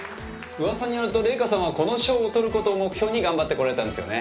噂によると礼香さんはこの賞を取る事を目標に頑張ってこられたんですよね？